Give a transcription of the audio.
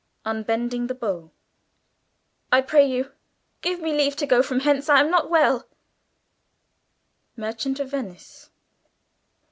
Unbending the Bow "I pray you, give me leave to go from hence, I am not well;" _Merchant of Venice.